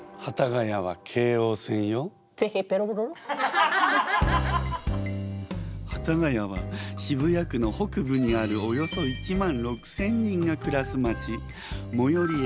幡ヶ谷は渋谷区の北部にあるおよそ１万６，０００人が暮らす町。